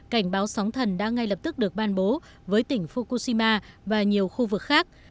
cảnh báo sóng thần đã ngay lập tức được ban bố với tỉnh fukushima và nhiều khu vực khác